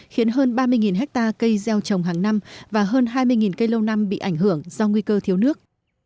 khiến hơn ba mươi hectare cây gieo trồng hàng năm và hơn hai mươi cây lâu năm bị ảnh hưởng do nguy cơ thiếu nước